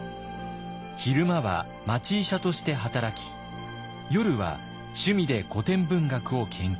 昼間は町医者として働き夜は趣味で古典文学を研究。